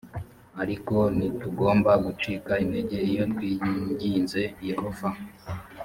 ariko ntitugomba gucika integer iyo twinginze yehova